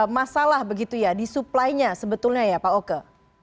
masalah begitu ya di supply nya sebetulnya ya pak oke